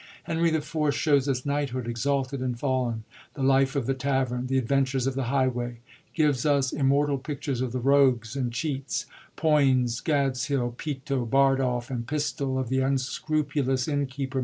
Henry IV, shows us knighthood, exalted and fallen, the life of the tavern, the adventures of the highway ; gives us immortal pictures of the rogues and cheats, Poins, Gadshill, Peto, Bardolph and Pistol, of the unscrupulous innkeeper.